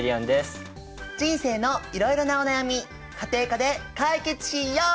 人生のいろいろなお悩み家庭科で解決しよう！